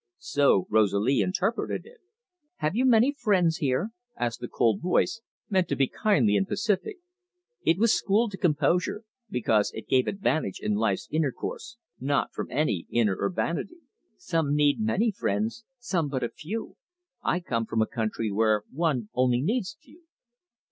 So Rosalie interpreted it. "Have you many friends here?" asked the cold voice, meant to be kindly and pacific. It was schooled to composure, because it gave advantage in life's intercourse, not from any inner urbanity. "Some need many friends, some but a few. I come from a country where one only needs a few."